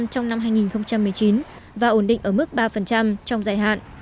hai tám trong năm hai nghìn một mươi chín và ổn định ở mức ba trong dài hạn